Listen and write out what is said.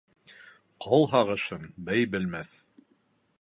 Ҡол һағышын бей белмәҫ